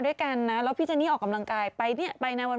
ใช่นะพี่เจนนี่เป็นเทรนเนอร์